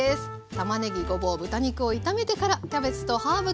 たまねぎごぼう豚肉を炒めてからキャベツとハーブと煮ていきます。